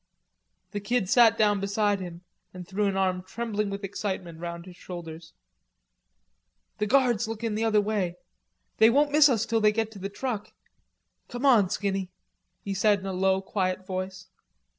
The Kid sat down beside him, and threw an arm trembling with excitement round his shoulders. "The guard's lookin' the other way. They won't miss us till they get to the truck.... Come on, Skinny," he said in a low, quiet voice.